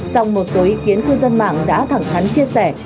sau một số ý kiến của dân mạng đã thẳng thắn chia sẻ